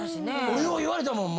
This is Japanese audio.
俺よう言われたもん。